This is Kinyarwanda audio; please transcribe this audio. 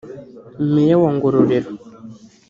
Meya wa Ngororero